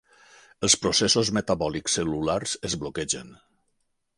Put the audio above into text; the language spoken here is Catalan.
Els processos metabòlics cel·lulars es bloquegen.